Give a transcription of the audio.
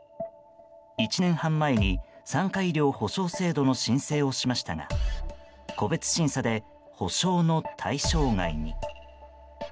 １年半前に、産科医療補償制度の申請をしましたが個別審査で補償の対象外に。